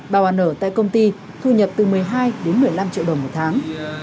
bảo an ở tại công ty thu nhập từ một mươi hai đến một mươi năm triệu đồng một tháng